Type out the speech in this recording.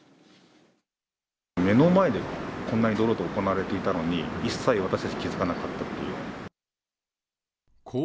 目の前で、こんなに堂々と行われていたのに、一切私たちは気付かなかったっていう。